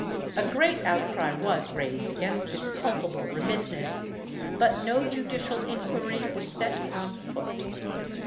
A great outcry was raised against this culpable remissness, but no judicial inquiry was set on foot.